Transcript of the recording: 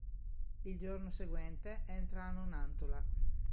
Il giorno seguente entra a Nonantola.